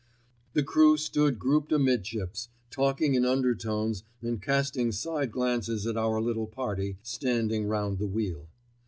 The crew stood grouped amidships, talking in undertones and casting side glances at our little party standing round the wheel.